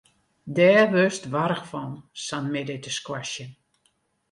Dêr wurdst warch fan, sa'n middei te squashen.